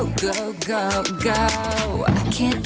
คิดผิดแล้วอยากคิดใหม่ฝันเธอใจอยากรับใหม่